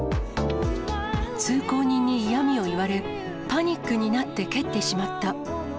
通行人に嫌みを言われ、パニックになって蹴ってしまった。